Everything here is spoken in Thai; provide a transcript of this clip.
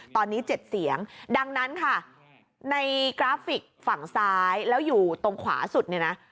ตอนนี้๗เสียงดังนั้นค่ะในกราฟิกฝั่งซ้ายแล้วอยู่ตรงขวาสุดเนี่ยนะ